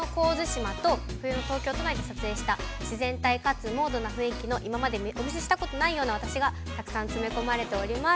東京都内で撮影した自然モードな雰囲気と今までお見せしたことない私がたくさん詰め込まれております。